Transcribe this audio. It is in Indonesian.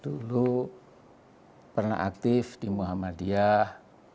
dulu pernah aktif di muhammadiyah